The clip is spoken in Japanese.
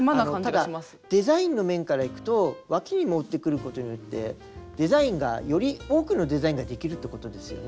ただデザインの面からいくとわきにもってくることによってデザインがより多くのデザインができるってことですよね。